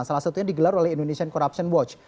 salah satunya digelar oleh indonesian corruption watch